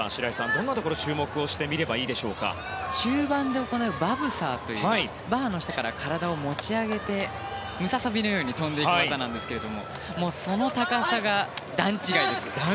どんなところに注目して中盤で行うバブサーというバーの下から体を持ち上げてムササビのように跳んでいく技ですがその高さが段違いです。